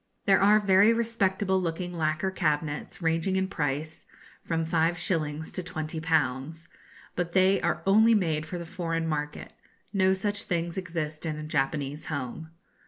There are very respectable looking lacquer cabinets ranging in price from 5_s_. to 20_l_. But they are only made for the foreign market. No such things exist in a Japanese home.